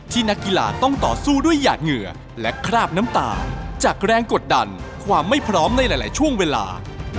นักกีฬาต้องต่อสู้ด้วยหยาดเหงื่อและคราบน้ำตาจากแรงกดดันความไม่พร้อมในหลายช่วงเวลา